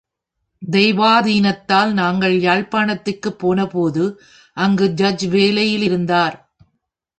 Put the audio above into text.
தெய்வாதீனத்தால் நாங்கள் யாழ்ப்பாணத்திற்குப் போனபோது அங்கு ஜட்ஜ் வேலையிலிருந்தார்.